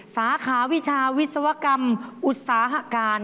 สาขาวิชาวิศวกรรมอุตสาหการ